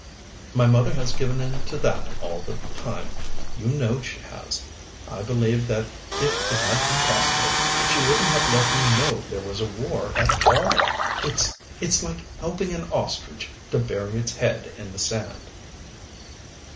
"My mother has given in to that all the time. You know she has. I believe that if it had been possible she wouldn't have let him know there was a war at all. It's it's like helping an ostrich to bury its head in the sand."